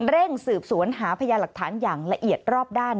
เร่งสืบสวนหาพยาหลักฐานอย่างละเอียดรอบด้าน